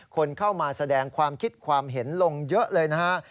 คนเข้ามาแสดงความคิดความเห็นลงเยอะเลยนะฮะ